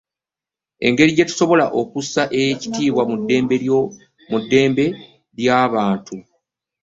Engeri gyetusobola okussa ekitiibwa mu ddembe ly'abantu